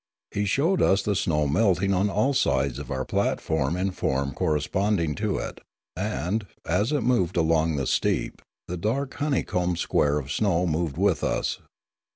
He showed us the snow melting on all sides of our platform in form corresponding to it, and, as it moved along the steep, the dark honeycombed square of snow moved with us.